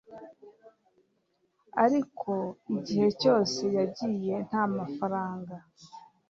ariko igihe cyose yagiye nta mafaranga